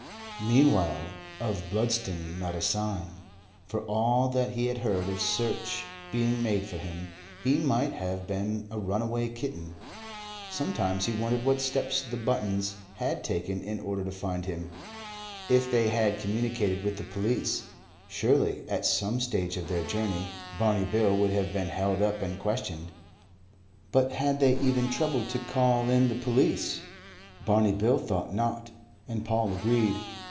Meanwhile, of Bludston not a sign. For all that he had heard of search being made for him, he might have been a runaway kitten. Sometimes he wondered what steps the Buttons had taken in order to find him. If they had communicated with the police, surely, at some stage of their journey, Barney Bill would have been held up and questioned. But had they even troubled to call in the police? Barney Bill thought not, and Paul agreed.